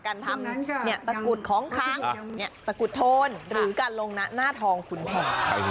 การทำตะกรุดของคางตะกรุดโทนหรือการลงหน้าน่าทองฝุ่นภารค